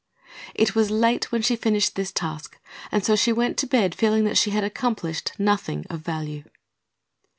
It was late when she finished this task and so she went to bed feeling that she had accomplished nothing of value.